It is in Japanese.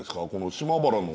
島原の。